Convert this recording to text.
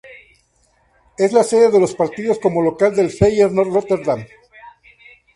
Es la sede de los partidos como local del Feyenoord Rotterdam.